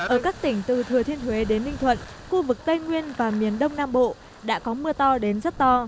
ở các tỉnh từ thừa thiên huế đến ninh thuận khu vực tây nguyên và miền đông nam bộ đã có mưa to đến rất to